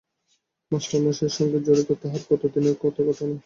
মাস্টারমশায়ের সঙ্গে জড়িত তাহার কত দিনের কত ঘটনা।